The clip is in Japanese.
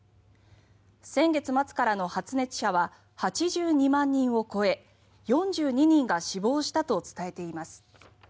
先月末からの発熱者は８２万人を超え４２人が死亡したと伝えています。